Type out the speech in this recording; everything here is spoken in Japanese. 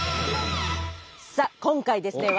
さあ今回ですね